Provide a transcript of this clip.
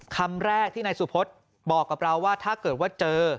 คำแรกที่นายสุพธบอกกับเราว่าถ้าเกิดว่าเจอ